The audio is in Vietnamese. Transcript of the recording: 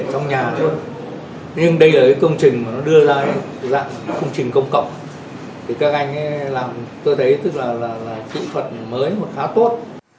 nhưng đây là cái công trình mà nó đưa ra cái dạng công trình công cộng thì các anh ấy làm tôi thấy tức là là thủy thuật mới một khá tốt